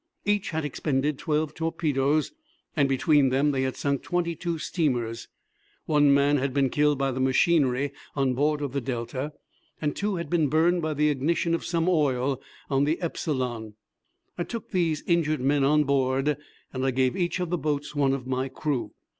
Each had expended twelve torpedoes, and between them they had sunk twenty two steamers. One man had been killed by the machinery on board of the Delta, and two had been burned by the ignition of some oil on the Epsilon. I took these injured men on board, and I gave each of the boats one of my crew.